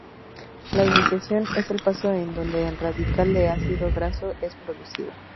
La iniciación es el paso en donde el radical de ácido graso es producido.